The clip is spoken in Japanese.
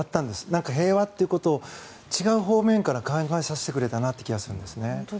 なんか平和ということを違う方面から考えさせてくれた気がするんですね。